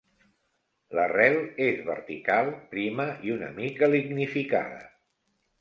La rel és vertical, prima i una mica lignificada.